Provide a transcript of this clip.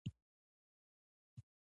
په سودان او عراق او ایران کې پر ضد شوې.